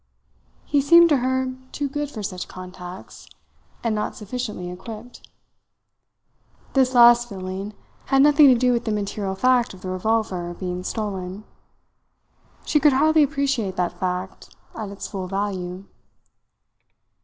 He seemed to her too good for such contacts, and not sufficiently equipped. This last feeling had nothing to do with the material fact of the revolver being stolen. She could hardly appreciate that fact at its full value.